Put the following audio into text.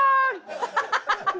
ハハハハ！